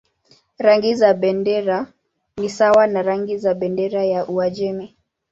Rangi za bendera ni sawa na rangi za bendera ya Uajemi.